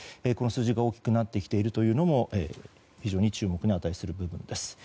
この数字が大きくなってきているのも非常に注目に値する部分です。